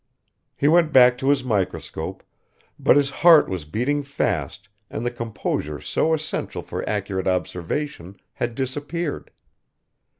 He went back to his microscope, but his heart was beating fast and the composure so essential for accurate observation had disappeared.